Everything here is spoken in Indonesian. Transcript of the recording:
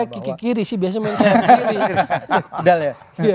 kiki kiri sih biasanya main sisi kiri